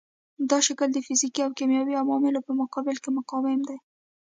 دا شکل د فزیکي او کیمیاوي عواملو په مقابل کې مقاوم دی.